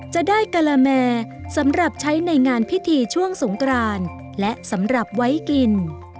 จะได้กะละแมสำหรับใช้ในงานพิธีช่วงสงกรานและสำหรับไว้กิน